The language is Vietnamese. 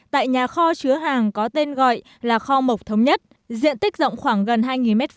tại nhà kho chứa hàng có tên gọi là kho mộc thống nhất diện tích rộng khoảng gần hai m hai